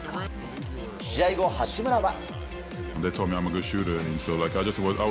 試合後、八村は。